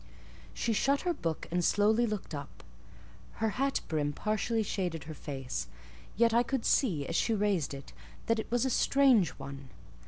She shut her book and slowly looked up; her hat brim partially shaded her face, yet I could see, as she raised it, that it was a strange one.